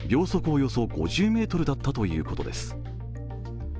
およそ５０メートルだったということです。